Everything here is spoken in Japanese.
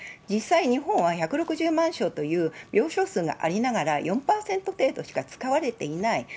実際、日本は１６０万床という病床数がありながら、４％程度しか使われていない。